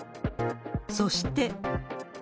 そして。